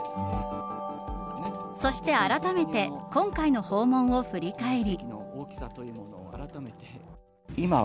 そして、あらためて今回の訪問を振り返り。